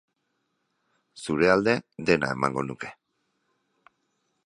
Zure alde dena emango nuke.